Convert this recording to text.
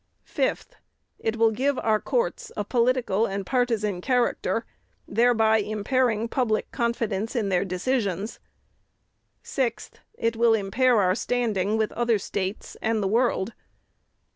"5th. It will give our courts a political and partisan character, thereby impairing public confidence in their decisions. "6th. It will impair our standing with other States and the world.